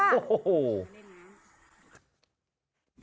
โอ้โห